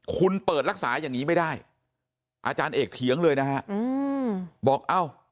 คุณเปิดรักษาอย่างนี้ไม่ได้อาจารย์เอกเถียงเลยนะฮะบอกเอ้า